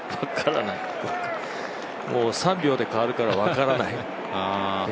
もう３秒で変わるから分からない。